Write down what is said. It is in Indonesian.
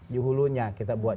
di hulunya kita buat